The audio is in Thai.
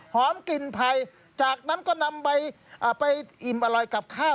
กลิ่นไพรจากนั้นก็นำไปอิ่มอร่อยกับข้าว